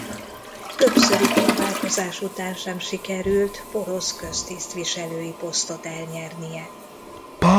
Többszöri próbálkozás után sem sikerült porosz köztisztviselői posztot elnyernie.